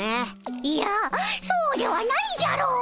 いやそうではないじゃろ！